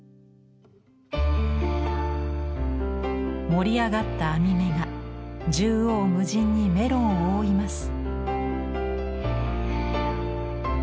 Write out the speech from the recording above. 盛り上がった網目が縦横無尽にメロンを覆います。